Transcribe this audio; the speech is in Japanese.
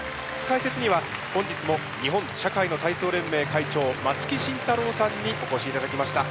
解説には本日も日本社会の体操連盟会長松木慎太郎さんにお越しいただきました。